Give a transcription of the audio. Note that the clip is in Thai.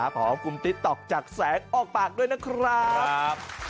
ขอร้องคุณติตตกจากแสงออกปากด้วยนะคุณครับ